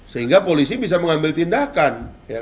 sehingga polisi bisa mengambil tindakan